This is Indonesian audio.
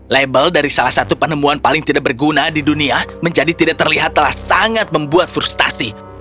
label dari salah satu penemuan paling tidak berguna di dunia menjadi tidak terlihat telah sangat membuat frustasi